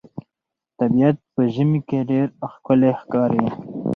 طبیعت په ژمي کې ډېر ښکلی ښکاري.